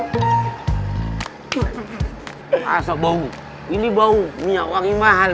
masa bau ini bau minyak wangi mahal